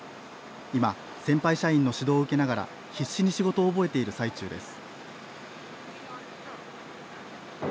今、先輩社員の指導を受けながら必死に仕事を覚えている最中です。